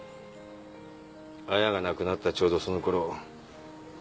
亜矢が亡くなったちょうどそのころ。